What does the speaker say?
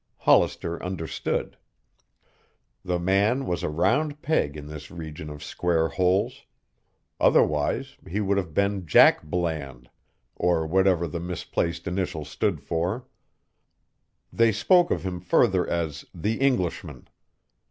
Hollister understood. The man was a round peg in this region of square holes; otherwise he would have been Jack Bland, or whatever the misplaced initial stood for. They spoke of him further as "the Englishman."